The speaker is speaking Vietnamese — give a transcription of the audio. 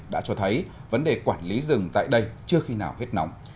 đã cho thấy vấn đề quản lý rừng tại đây chưa khi nào hết nóng